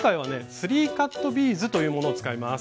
スリーカットビーズというものを使います。